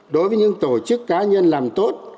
đối với những tổ chức cá nhân làm tốt